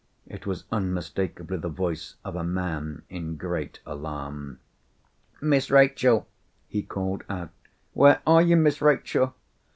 It was unmistakably the voice of a man in great alarm. "Miss Rachel!" he called out, "where are you, Miss Rachel?"